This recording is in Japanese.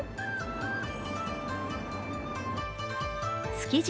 築地